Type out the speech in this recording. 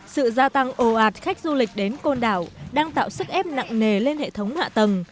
sự gia tăng ồ ạt khách du lịch đến côn đảo đang tạo sức ép nặng nề lên hệ thống hạ tầng